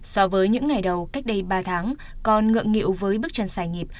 so với những ngày đầu cách đây ba tháng còn ngượng nghịu với bước chân xài nghiệp